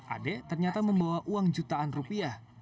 ade ternyata membawa uang jutaan rupiah